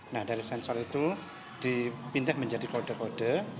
nah dari sensor itu dipindah menjadi kode kode